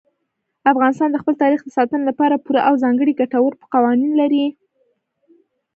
افغانستان د خپل تاریخ د ساتنې لپاره پوره او ځانګړي ګټور قوانین لري.